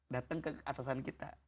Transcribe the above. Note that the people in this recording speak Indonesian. dateng ke atasan kita